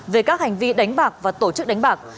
về các hành vi đánh bạc và tổ chức đánh bạc